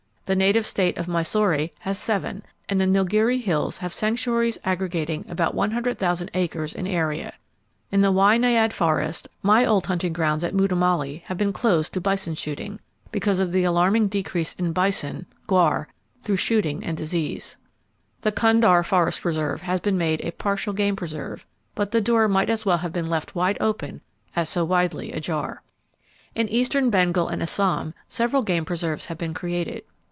The native state of Mysore has seven, and the Nilgiri Hills have sanctuaries aggregating about 100,000 acres in area. In the Wynaad Forest, my old hunting grounds at Mudumallay have been closed to bison shooting, because of the alarming decrease of bison (gaur) through shooting and disease. The Kundah Forest Reserve has been made a partial game preserve, but the door might as well have been left wide open as so widely ajar. In eastern Bengal and Assam, several game preserves have been created.